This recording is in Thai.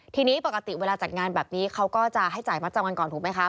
ทีนี้ปกติเวลาจัดงานแบบนี้เขาก็จะให้จ่ายมัดจำวันก่อนถูกไหมคะ